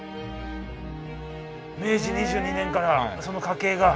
明治２２年からその家系が。